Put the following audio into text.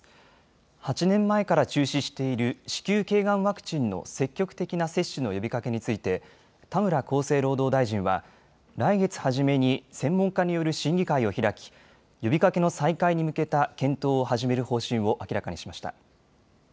８年前から中止している子宮けいがんワクチンの積極的な接種の呼びかけについて田村厚生労働大臣は来月初めに専門家による審議会を開き呼びかけの再開に向けた検討を始める方針を明らかにしました。